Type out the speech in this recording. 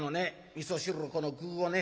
みそ汁をこの具をね